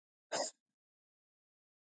ښايي هغه به په دې اړه یوې نتيجې ته رسېدلی و.